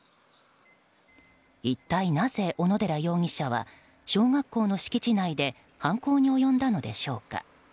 一体なぜ、小野寺容疑者は小学校の敷地内で犯行に及んだのでしょうか。